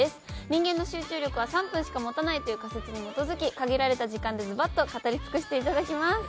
人間の集中力は３分しか持たないという仮説に基づき限られた時間でズバッと語り尽くしていただきます。